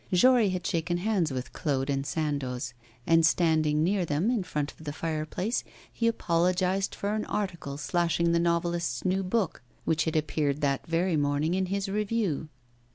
Jory had shaken hands with Claude and Sandoz, and, standing near them, in front of the fireplace, he apologised for an article slashing the novelist's new book which had appeared that very morning in his review.